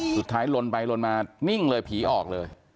สุดท้ายลนไปลนมานิ่งเลยผีออกเลย